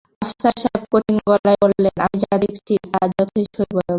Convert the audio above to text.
আফসার সাহেব কঠিন গলায় বললেন, আমি যা দেখছি তা যথেষ্টই ভয়াবহ।